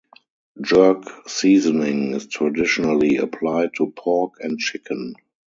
Jerk seasoning is traditionally applied to pork and chicken.